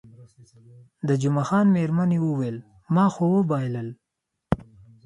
د جمعه خان میرمنې وویل، ما خو وبایلل.